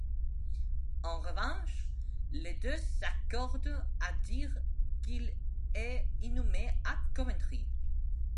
En revanche, les deux s'accordent à dire qu'il est inhumé à Coventry.